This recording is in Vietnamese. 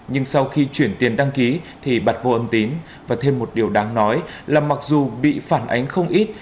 nhưng sau khi chuyển tiền đăng ký thì bật vô âm tín và thêm một điều đáng nói là mặc dù bị phản ánh không ít